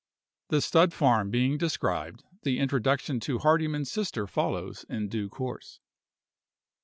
The stud farm being described, the introduction to Hardyman's sister follows in due course.